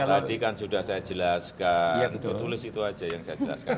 tadi kan sudah saya jelaskan tertulis itu aja yang saya jelaskan